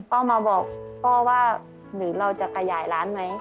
พ่อมาบอกพ่อว่าหรือเราจะขยายร้านไหม